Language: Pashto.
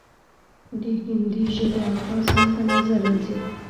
د هندي ژبو الفاظ هم پۀ نظر راځي،